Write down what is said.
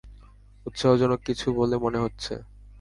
উৎসাহজনক কিছু বলে মনে হচ্ছে।